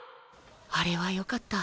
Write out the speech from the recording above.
あれはよかった。